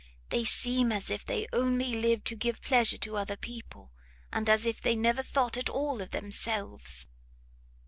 they seem as if they only lived to give pleasure to other people, and as if they never thought at all of themselves!"